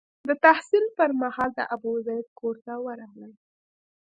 د تحصیل پر مهال د ابوزید کور ته ورغلی.